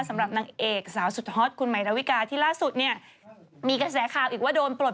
สำหรับนางเอกสาวสุดฮอตคุณใหม่ดาวิกาที่ล่าสุดเนี่ยมีกระแสข่าวอีกว่าโดนปลด